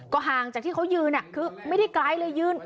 ก็ห่างจากที่เขายืนคือไม่ได้ไกลเลยยืน